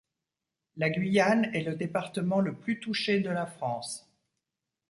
La Guyane est le département le plus touché de la France.